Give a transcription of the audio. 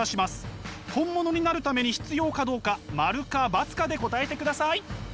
本物になるために必要かどうか○か×かで答えてください。